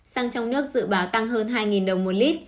xăng trong nước dự báo tăng hơn hai đồng một lít